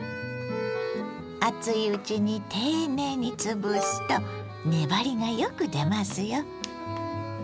熱いうちに丁寧につぶすと粘りがよく出ますよ。